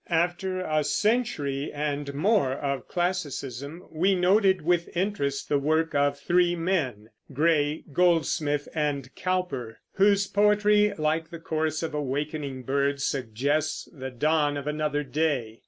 ROBERT BURNS (1759 1796) After a century and more of Classicism, we noted with interest the work of three men, Gray, Goldsmith, and Cowper, whose poetry, like the chorus of awakening birds, suggests the dawn of another day.